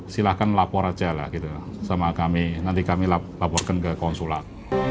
silahkan lapor aja lah sama kami nanti kami laporkan ke konsulat